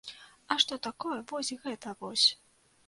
А што такое вось гэта вось?